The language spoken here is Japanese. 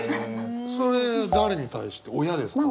それ誰に対して親ですか？